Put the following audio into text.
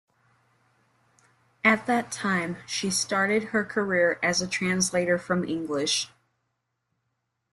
At that time, she started her career as a translator from English.